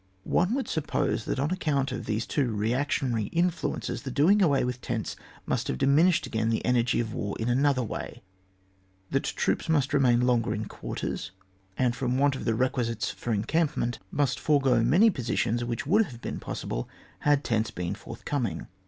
One would suppose that on account of these two reactionary influences the doing away with tents must have diminished again the energy of war in another way, that troops must remain longer in quarters, and from want of the requisites for encampment must forego many positions which would have been possible had tents been forthcoming.